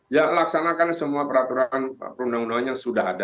ya laksanakan semua peraturan perundang undangannya sudah ada